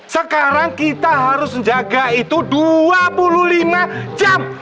sekarang kita harus menjaga itu dua puluh lima jam